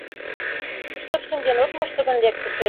— Шып шинчен от мошто гын, лек тышеч!